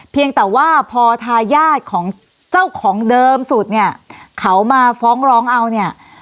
เพียงแต่ว่าพอทายาทของเจ้าของเดิมสุดเนี่ยเขามาฟ้องร้องเอาเนี่ย